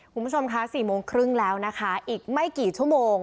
คุณผู้ชมคะ๔โมงครึ่งแล้วนะคะอีกไม่กี่ชั่วโมง